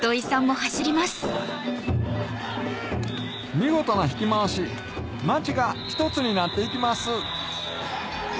見事なひき回し町が１つになっていきます